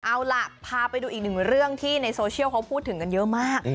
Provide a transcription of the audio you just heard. เอาล่ะพาไปดูอีกหนึ่งเรื่องที่ในโซเชียลเขาพูดถึงกันเยอะมาก